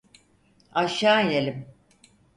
Aşağı inelim.